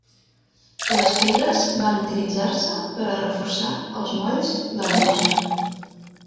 Les pedres van utilitzar-se per a reforçar els molls del Mosa.